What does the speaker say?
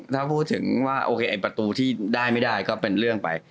ถ้าพูดถึงว่าโอเคไอ้ประตูที่ได้ไม่ได้ก็เป็นเรื่องไป